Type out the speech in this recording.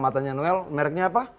tanya noel mereknya apa